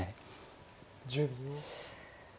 １０秒。